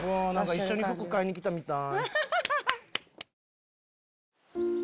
一緒に服買いにきたみたい。